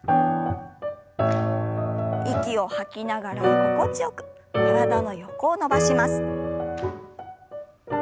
息を吐きながら心地よく体の横を伸ばします。